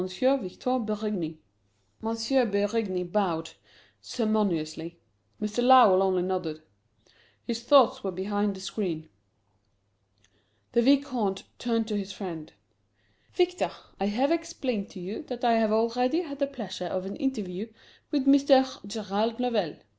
Victor Berigny!" M. Berigny bowed, ceremoniously. Mr. Lovell only nodded his thoughts were behind the screen. The Vicomte turned to his friend. "Victor, I have explained to you that I have already had the pleasure of an interview with Mr. Gerald Lovell." M.